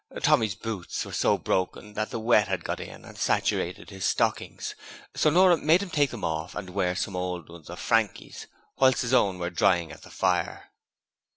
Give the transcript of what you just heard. Tommy's boots were so broken that the wet had got in and saturated his stockings, so Nora made him take them all off and wear some old ones of Frankie's whilst his own were drying at the fire.